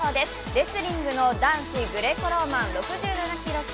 レスリングの男子グレコローマン６７キロ級、